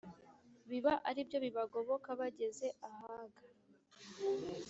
biba ari byo bibagoboka bageze ahaga.